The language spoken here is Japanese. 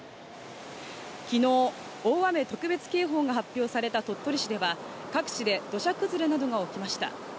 きのう、大雨特別警報が発表された鳥取市では、各地で土砂崩れなどが起きました。